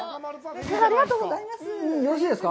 ありがとうございます。